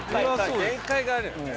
限界があるよね。